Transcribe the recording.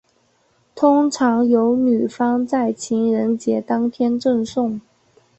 通常由女方在情人节当天赠送。